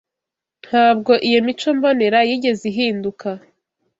ntabwo iyo mico mbonera yigeze ihinduka